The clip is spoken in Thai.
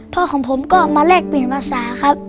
พ่อของผมก็มาแลกเปลี่ยนภาษาครับ